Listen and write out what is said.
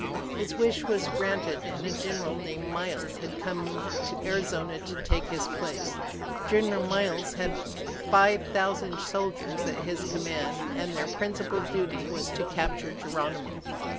His wish was granted, and a general named Miles had come to Arizona to take his place. General Miles had five thousand soldiers at his command, and their principal duty was to capture Geronimo.